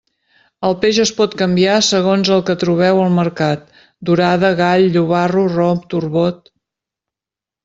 El peix es pot canviar segons el que trobeu al mercat: dorada, gall, llobarro, rom, turbot.